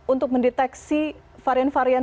untuk mendeteksi varian varian